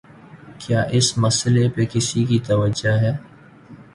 کیا اس مسئلے پر کسی کی توجہ ہے؟